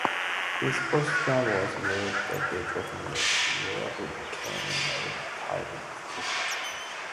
His first job was with the "Deseret News", where he became an advertising executive.